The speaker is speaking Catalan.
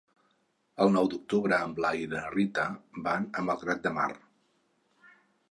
El nou d'octubre en Blai i na Rita van a Malgrat de Mar.